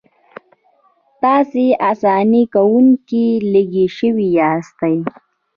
تاسې اساني کوونکي لېږل شوي یاستئ.